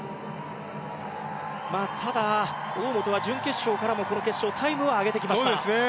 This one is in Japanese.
ただ、大本は準決勝からもこの決勝タイムは上げてきました。